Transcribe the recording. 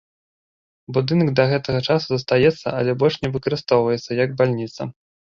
Будынак да гэтага часу застаецца, але больш не выкарыстоўваецца як бальніца.